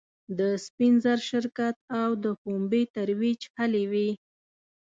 د سپین زر شرکت او د پومبې ترویج هلې وې.